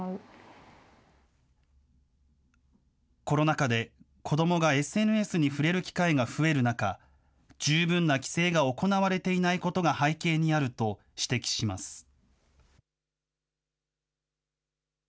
コロナ禍で子どもがＳＮＳに触れる機会が増える中、十分な規制が行われていないことが背景にあると指摘します。